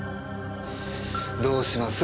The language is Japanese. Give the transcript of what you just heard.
どうします？